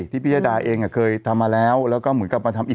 พิยดาเองเคยทำมาแล้วแล้วก็เหมือนกับมาทำอีก